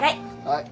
はい。